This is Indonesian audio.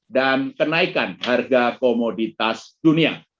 dan kenaikan harga komoditas dunia